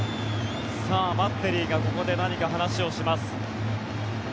バッテリーがここで何か話をします。